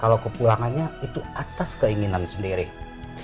kalau ke pulangannya itu atas keinginan sendiri ya pak al